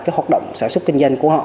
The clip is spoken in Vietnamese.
cái hoạt động sản xuất kinh doanh của họ